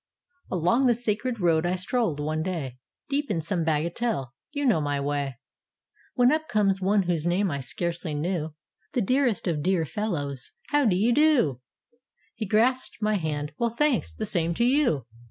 ] Along the Sacred Road I strolled one day, Deep in some bagatelle (you know my way), When up comes one whose name I scarcely knew — "The dearest of dear fellows! how d' ye do?" He grasped my hand — "Well, thanks: the same to you."